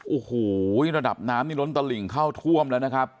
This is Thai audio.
โอ้โหระดับน้ำนี่ล้นตลิ่งเข้าท่วมแล้วนะครับ